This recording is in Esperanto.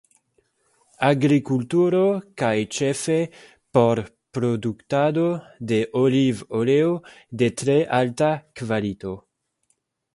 Agrikulturo kaj ĉefe por produktado de olivoleo de tre alta kvalito.